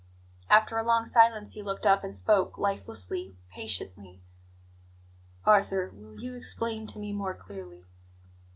After a long silence he looked up and spoke, lifelessly, patiently: "Arthur, will you explain to me more clearly?